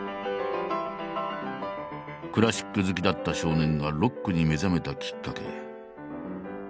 クラシック好きだった少年がロックに目覚めたきっかけ。